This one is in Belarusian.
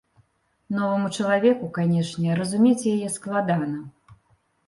Новаму чалавеку, канешне, разумець яе складана.